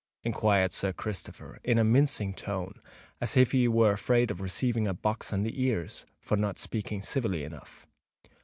enquired Sir Christopher, in a mincing tone, as if he were afraid of receiving a box on the ears for not speaking civilly enough.